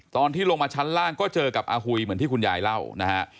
ตอนที่ลงมาชั้นล่างก็เจอกับอาหุยเหมือนที่คุณยายเล่านะฮะ